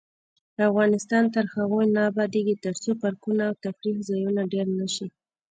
افغانستان تر هغو نه ابادیږي، ترڅو پارکونه او تفریح ځایونه ډیر نشي.